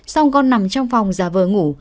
xong con nằm trong phòng giả vờ ngủ